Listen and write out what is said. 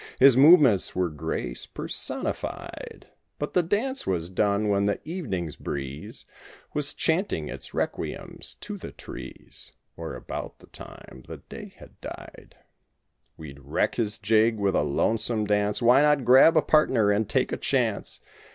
His movements were grace personified; But the dance was done when the evening's breeze Was chanting its requiems to the trees. Or about the time when the day had died, 27 We'd reck his jig was a lonesome dance. Why not grab a partner and take a chance?